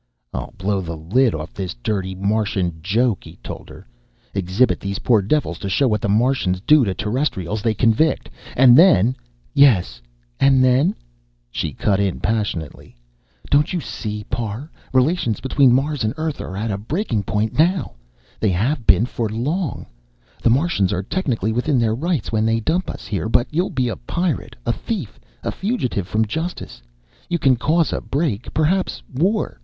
"I'll blow the lid off this dirty Martian Joke," he told her. "Exhibit these poor devils, to show what the Martians do to Terrestrials they convict. And then " "Yes, and then!" she cut in passionately. "Don't you see, Parr? Relations between Mars and Earth are at breaking point now. They have been for long. The Martians are technically within their rights when they dump us here, but you'll be a pirate, a thief, a fugitive from justice. You can cause a break, perhaps war.